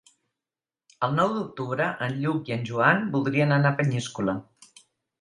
El nou d'octubre en Lluc i en Joan voldrien anar a Peníscola.